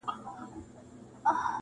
ویل زه که یو ځل ولاړمه ورکېږم،